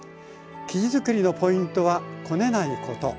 生地作りのポイントはこねないこと。